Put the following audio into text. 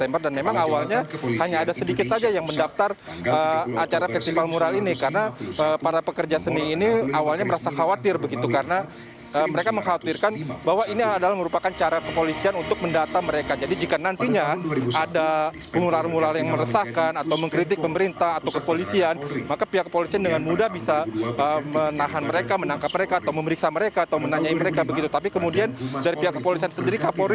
mural yang disajikan bukan hanya yang berisikan positif saja di jakarta ada sepuluh mural yang berisikan kritik ataupun dan dijamin tidak akan diproses hukum